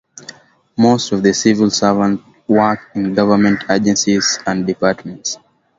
Most of the civil servants work in government agencies and departments.